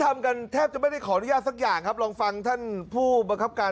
ทำกันแทบจะไม่ได้ขออนุญาตสักอย่างครับลองฟังท่านผู้บังคับการ